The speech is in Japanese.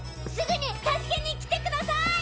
すぐに助けに来てください！